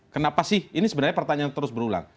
kenapa sih ini sebenarnya pertanyaan terus berulang